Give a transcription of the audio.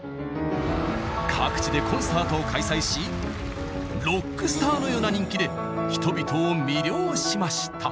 各地でコンサートを開催しロックスターのような人気で人々を魅了しました。